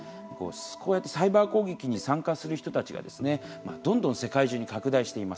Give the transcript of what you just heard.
こうやってサイバー攻撃に参加する人たちがどんどん世界中に拡大しています。